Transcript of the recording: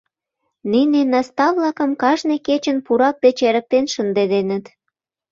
Нине наста-влакым кажне кечын пурак деч эрыктен шындеденыт.